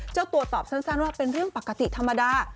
เจ้าตัวตอบสั้นว่าเป็นเรื่องปกติธรรมดา